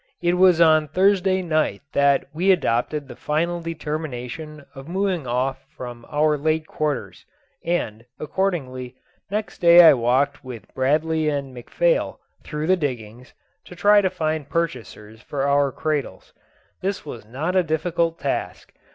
It was on Thursday night that we adopted the final determination of moving off from our late quarters; and, accordingly, next day I walked with Bradley and McPhail through the diggings, to try to find purchasers for our cradles. This was not a difficult task.